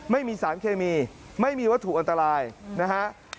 ไม่มีสารเคมีไม่มีวัตถุอันตรายนะฮะ